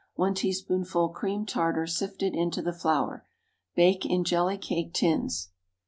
1 teaspoonful cream tartar, sifted into the flour. Bake in jelly cake tins.